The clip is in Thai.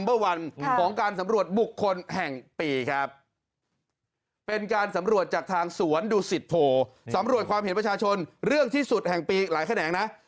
เอาแขนแห่งแรกก่อน